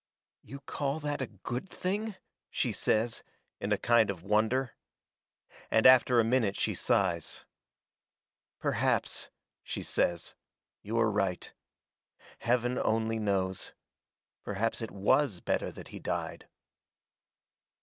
"You call that a good thing?" she says, in a kind of wonder. And after a minute she sighs. "Perhaps," she says, "you are right. Heaven only knows. Perhaps it WAS better that he died."